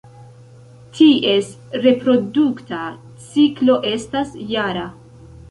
Ties reprodukta ciklo estas jara.